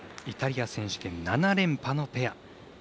イタリア選手権７連覇のペア。